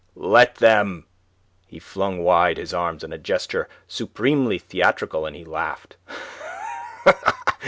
"Let them!" He flung wide his arms in a gesture supremely theatrical, and laughed.